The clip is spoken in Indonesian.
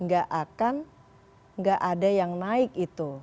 gak akan gak ada yang naik itu